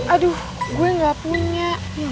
aduh gue gak punya